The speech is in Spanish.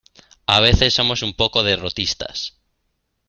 A veces somos un poco derrotistas.